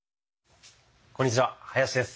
こんにちは林です。